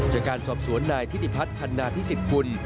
จากการสอบสวนนายทิติพัฒนพันนาพิสิทธกุล